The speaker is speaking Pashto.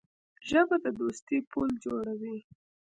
ژبه د دوستۍ پُل جوړوي